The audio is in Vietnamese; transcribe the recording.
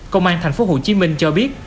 công an tp hcm cho biết